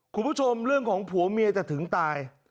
คุณผู้ชมเรื่องของผัวเมียจะถึงตาย